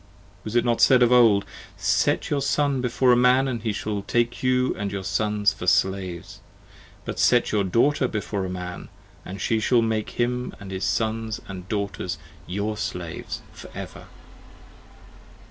Was it not said of old, Set your Son before a man & he shall take you & your sons For slaves; but set your Daughter before a man & She Shall make him & his sons & daughters your slaves for ever.